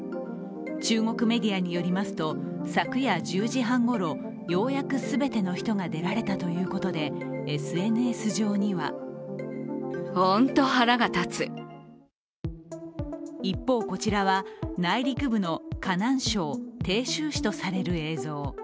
中国メディアによりますと、昨夜１０時半ごろ、ようやく全ての人が出られたということで、ＳＮＳ上には一方、こちらは内陸部の河南省鄭州市とされる映像。